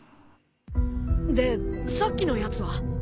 でさっきのやつは？